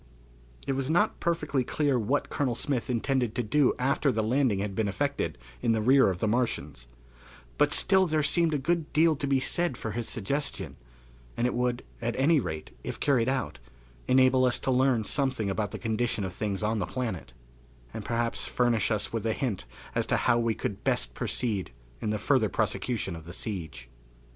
It was not perfectly clear what Colonel Smith intended to do after the landing had been effected in the rear of the Martians, but still there seemed a good deal to be said for his suggestion, and it would, at any rate, if carried out, enable us to learn something about the condition of things on the planet, and perhaps furnish us with a hint as to how we could best proceed in the further prosecution of the siege.